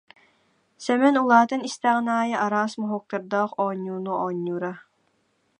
Сэмэн улаатан истэҕин аайы араас моһуоктардаах оонньууну оонньуура